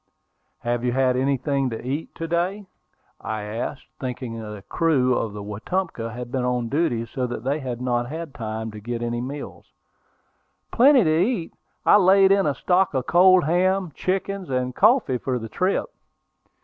"Have you had anything to eat to day?" I asked, thinking the crew of the Wetumpka had been on duty so that they had not had time to get any meals. "Plenty to eat. I laid in a stock of cold ham, chickens, and coffee for the trip."